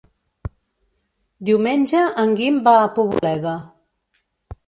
Diumenge en Guim va a Poboleda.